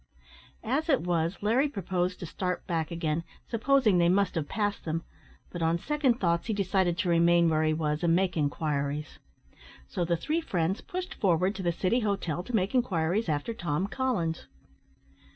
As it was, Larry proposed to start back again, supposing they must have passed them; but, on second thoughts, he decided to remain where he was and make inquiries. So the three friends pushed forward to the City Hotel to make inquiries after Tom Collins.